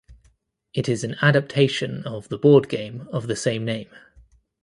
It is an adaptation of the board game of the same name.